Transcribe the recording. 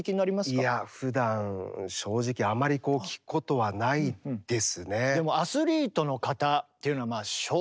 いやふだん正直あまりこう聴くことはないですね。